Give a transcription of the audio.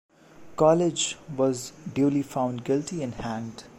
College was duly found guilty and hanged.